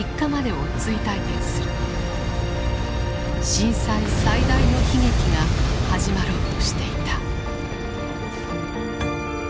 震災最大の悲劇が始まろうとしていた。